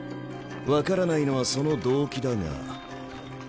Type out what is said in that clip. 分からないのはその動機だが。